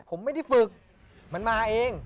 ผมไม่ได้ฝึกมันมาเอง